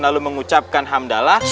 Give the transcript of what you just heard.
lalu mengucapkan hamdallah